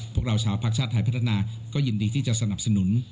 พวกเราชาวภาคชาติไทยพัฒนาก็ยินดีที่จะสนับสนุน